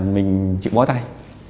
mình chịu bó tay